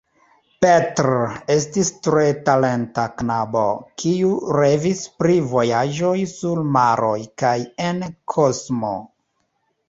Petr estis tre talenta knabo, kiu revis pri vojaĝoj sur maroj kaj en kosmo.